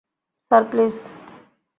Sir, please!